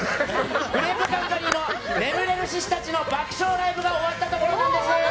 グレープカンパニーの眠れる獅子たちの爆笑ライブが終わったところなんです。